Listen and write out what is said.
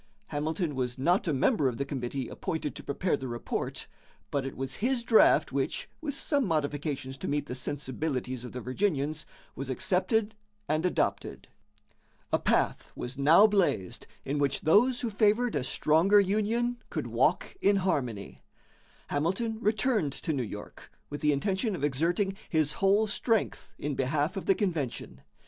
Hamilton was not a member of the committee appointed to prepare the report, but it was his draft which, with some modifications to meet the sensibilities of the Virginians, was accepted and adopted. A path was now blazed in which those who favored a stronger union could walk in harmony. Hamilton returned to New York with the intention of exerting his whole strength in behalf of the convention.